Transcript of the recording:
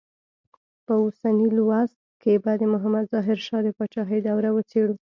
په اوسني لوست کې به د محمد ظاهر شاه د پاچاهۍ دوره وڅېړو.